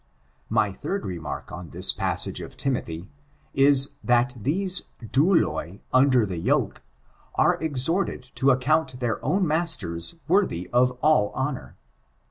My third remark, on this passage of Timothy, is, that these do^doi under the yoke, are exhorted to account their own masters worthy of all honor.